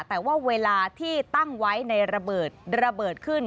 แต่ว่าเวลาที่ตั้งไว้ในระเบิดระเบิดขึ้น